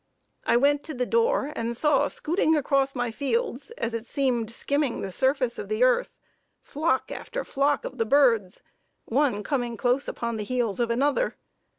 I went to the door and saw scooting across my fields, as it seemed skimming the surface of the earth, flock after flock of the birds, one coming close upon the heels of another.